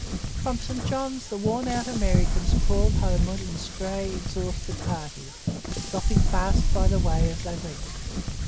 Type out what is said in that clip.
From St Johns the worn out Americans crawled homewards in stray, exhausted parties, dropping fast by the way as they went.